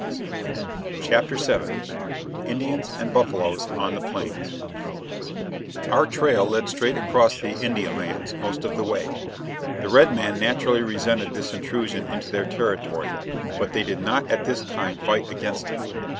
] CHAPTER SEVEN INDIANS AND BUFFALOES ON THE PLAINS OUR trail led straight across the Indian lands most of the way. The redmen naturally resented this intrusion into their territory; but they did not at this time fight against it.